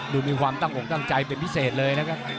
ดูมีความตั้งอกตั้งใจเป็นพิเศษเลยนะครับ